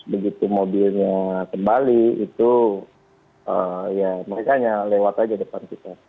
begitu mobilnya kembali itu ya mereka hanya lewat aja depan kita